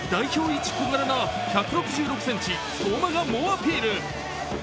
一小柄な１６６ｃｍ、相馬が猛アピール。